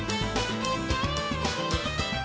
คิดหอดคากแน่